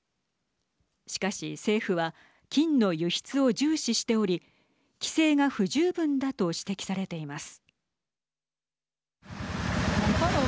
しかし、政府は金の輸出を重視しており規制が不十分だと指摘されています。